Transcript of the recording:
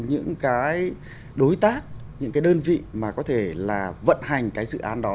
những cái đối tác những cái đơn vị mà có thể là vận hành cái dự án đó